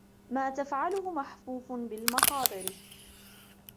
ما تفعله محفوف بالمخاطر